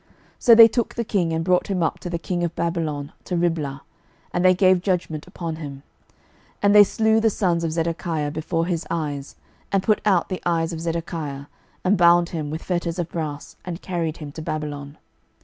12:025:006 So they took the king, and brought him up to the king of Babylon to Riblah; and they gave judgment upon him. 12:025:007 And they slew the sons of Zedekiah before his eyes, and put out the eyes of Zedekiah, and bound him with fetters of brass, and carried him to Babylon.